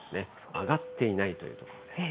上がっていないというところです。